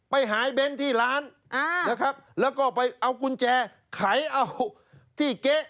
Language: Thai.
ไปหายเบ้นที่ร้านนะครับแล้วก็ไปเอากุญแจไขเอาที่เก๊ะ